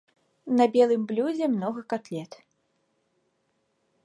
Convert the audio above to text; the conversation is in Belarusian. На белым блюдзе многа катлет.